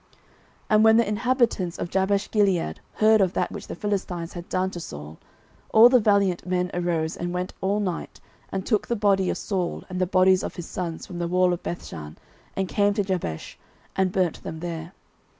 09:031:011 And when the inhabitants of Jabeshgilead heard of that which the Philistines had done to Saul; 09:031:012 All the valiant men arose, and went all night, and took the body of Saul and the bodies of his sons from the wall of Bethshan, and came to Jabesh, and burnt them there.